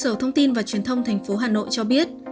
sở thông tin và truyền thông thành phố hà nội cho biết